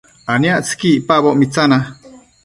aniactsëqui icpaboc mitsana